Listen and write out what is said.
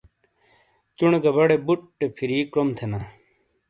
چُونے گہ بڑے بُٹے پھِری کروم تھینا۔